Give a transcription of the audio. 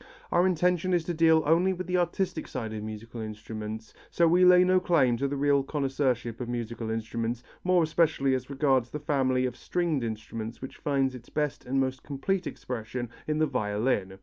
Our intention is to deal only with the artistic side of musical instruments, so we lay no claim to real connoisseurship of musical instruments, more especially as regards the family of stringed instruments which finds its best and most complete expression in the violin.